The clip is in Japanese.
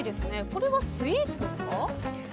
これはスイーツですか？